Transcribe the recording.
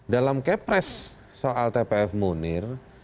dalam kepres soal tpf munir